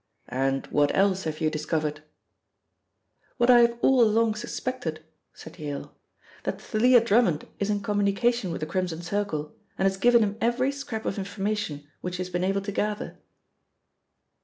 "And what else have you discovered?" "What I have all along suspected," said Yale, "that Thalia Drummond is in communication with the Crimson Circle and has given him every scrap of information which she has been able to gather."